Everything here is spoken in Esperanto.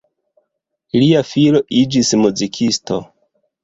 Lia filo iĝis muzikisto.